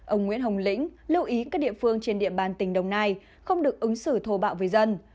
ông nguyễn hồng lĩnh lưu ý các địa phương trên địa bàn tỉnh đồng nai không được ứng xử thô bạo với dân